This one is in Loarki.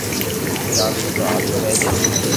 گاڌو تو ھالتو رڄئي